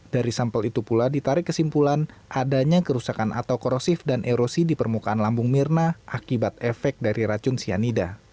dari sampel itu pula ditarik kesimpulan adanya kerusakan atau korosif dan erosi di permukaan lambung mirna akibat efek dari racun cyanida